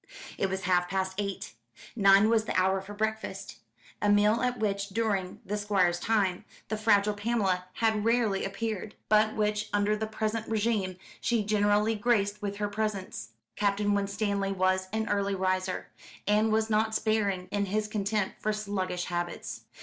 It was half past eight. Nine was the hour for breakfast, a meal at which, during the Squire's time, the fragile Pamela had rarely appeared, but which, under the present régime, she generally graced with her presence. Captain Winstanley was an early riser, and was not sparing in his contempt for sluggish habits.